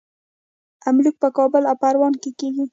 املوک په کابل او پروان کې کیږي.